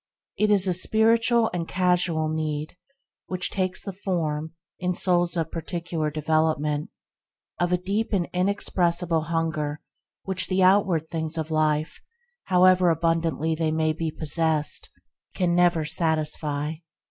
It is a spiritual and causal need which takes the form, in souls of a particular development, of a deep and inexpressible hunger that the outward things of life, however abundantly possessed, never can satisfy.